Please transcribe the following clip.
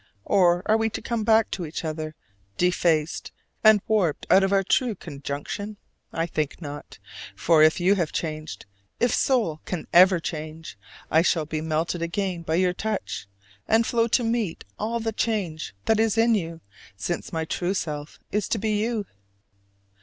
Or are we to come back to each other defaced and warped out of our true conjunction? I think not: for if you have changed, if soul can ever change, I shall be melted again by your touch, and flow to meet all the change that is in you, since my true self is to be you.